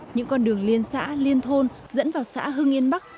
những con đường liên xã liên thôn dẫn vào xã hưng yên bắc